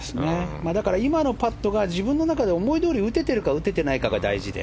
今のパットが自分の中で思いどおりに打ててるか打ててないかが、大事で。